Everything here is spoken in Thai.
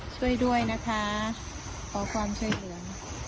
ช่วยด้วยนะคะขอความช่วยเหลือ